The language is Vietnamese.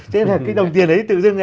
thế là cái đồng tiền ấy tự dưng